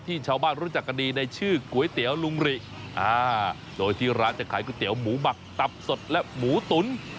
ชาวบ้านรู้จักกันดีในชื่อก๋วยเตี๋ยวลุงหริโดยที่ร้านจะขายก๋วยเตี๋ยวหมูหมักตับสดและหมูตุ๋น